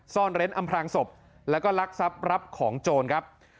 ซ่อนเร้นอำพลางศพแล้วก็ลักทรัพย์รับของโจรครับ